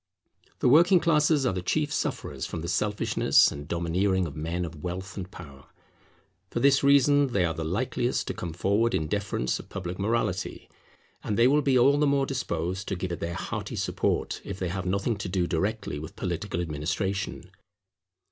The working classes are the chief sufferers from the selfishness and domineering of men of wealth and power. For this reason they are the likeliest to come forward in defence of public morality. And they will be all the more disposed to give it their hearty support if they have nothing to do directly with political administration.